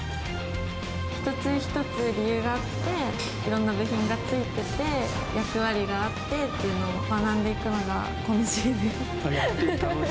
一つ一つ理由があって、いろんな部品が付いてて、役割があってっていうのを学んでいくの楽しい？